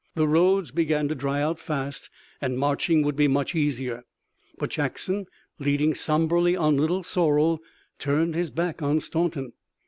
The roads began to dry out fast and marching would be much easier. But Jackson, leading somberly on Little Sorrel, turned his back on Staunton.